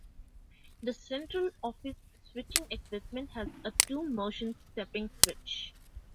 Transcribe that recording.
The central office switching equipment has a two-motion stepping switch.